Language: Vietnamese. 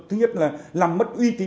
thứ nhất là làm mất uy tín